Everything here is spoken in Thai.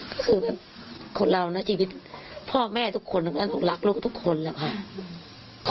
ก็คือแบบคนเรานะชีวิตพ่อแม่ทุกคนตรงนั้นคงรักลูกทุกคนแหละค่ะ